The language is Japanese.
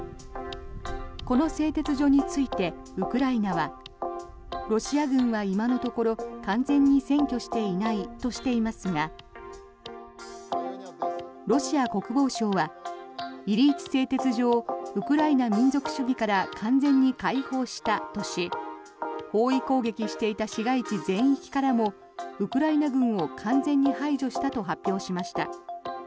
この製鉄所についてウクライナはロシア軍は今のところ完全に占拠していないとしていますがロシア国防省はイリイチ製鉄所をウクライナ民族主義から完全に解放したとし包囲攻撃していた市街地全域からもウクライナ軍を完全に排除したと発表しました。